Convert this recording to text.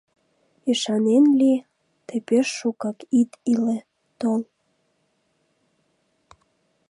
Ӱшанен ли... тый пеш шукак ит иле, тол.